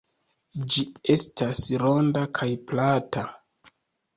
Ĝi estas ronda kaj plata.